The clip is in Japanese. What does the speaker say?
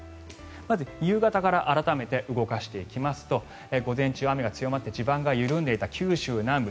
まず夕方から改めて見ていきますと午前中、雨が強まって地盤が緩んでいた九州南部。